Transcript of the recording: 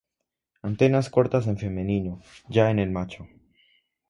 Antenas cortas en femenino, ya en el macho.